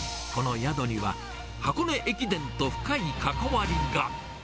この宿には箱根駅伝と深い関わりが。